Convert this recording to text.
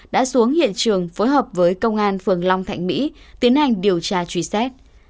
đã xuống hiện trường phối hợp với công an phường long thạnh mỹ tiến hành điều tra truy xét